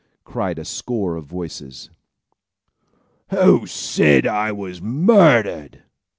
cried a score of voices. "Who said I was murdered?"